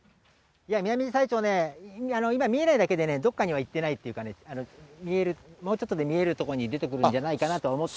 いや、ミナミジサイチョウね、今、見えないだけでね、どっかには行ってないっていうかね、見える、もうちょっとで見える所に出てくるんじゃないかなとは思ってます。